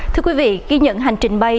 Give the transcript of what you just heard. thưa quý vị ghi nhận hành trình bay